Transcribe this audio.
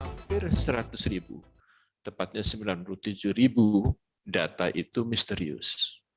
hampir seratus ribu tepatnya sembilan puluh tujuh ribu data itu misterius